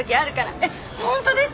えっ本当です？